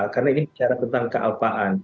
karena ini bicara tentang kealpaan